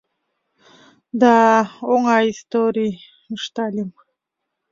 — Да, оҥай историй, — ыштальым.